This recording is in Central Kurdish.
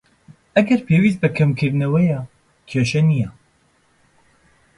ئەگەر پێویستت بە کەمکردنەوەیە، کێشە نیە.